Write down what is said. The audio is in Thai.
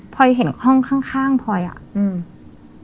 พอยเห็นห้องข้างข้างพลอยอ่ะอืม